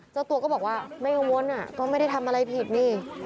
เจ้าตัวก็บอกว่าไม่กังวลก็ไม่ได้ทำอะไรผิดนี่